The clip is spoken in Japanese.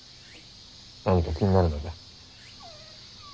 何か気になるのか？